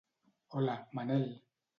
Hola, Manel.